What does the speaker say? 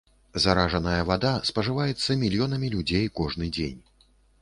Заражаная вада спажываецца мільёнамі людзей кожны дзень.